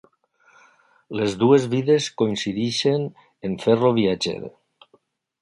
Les dues vides coincideixen en fer-lo viatger.